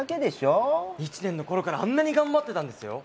１年の頃からあんなに頑張ってたんですよ！？